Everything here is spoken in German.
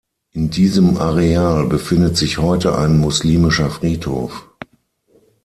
In diesem Areal befindet sich heute ein muslimischer Friedhof.